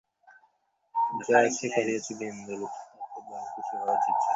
যা সে করিয়াছে বিন্দুর তাতে বরং খুশি হওয়াই উচিত ছিল।